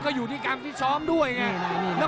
ก็อยู่ที่การฟิตซ้อมด้วยไง